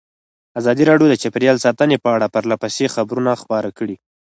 ازادي راډیو د چاپیریال ساتنه په اړه پرله پسې خبرونه خپاره کړي.